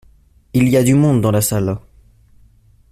Il y a du monde dans la salle.